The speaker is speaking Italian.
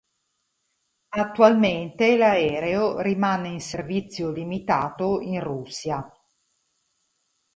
Attualmente l'aereo rimane in servizio limitato in Russia.